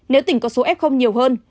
nếu tỉnh có số f nhiều hơn